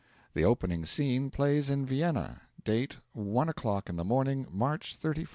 The opening scene plays in Vienna. Date, one o'clock in the morning, March 31, 1898.